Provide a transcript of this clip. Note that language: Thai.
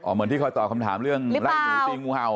เหมือนที่คอยตอบคำถามเรื่องไล่หมูตีงูเห่า